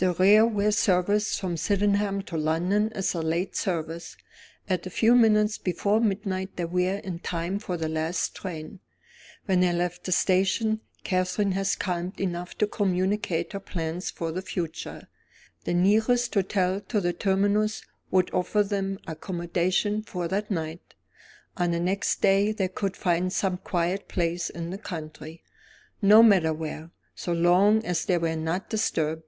The railway service from Sydenham to London is a late service. At a few minutes before midnight they were in time for the last train. When they left the station, Catherine was calm enough to communicate her plans for the future. The nearest hotel to the terminus would offer them accommodation for that night. On the next day they could find some quiet place in the country no matter where, so long as they were not disturbed.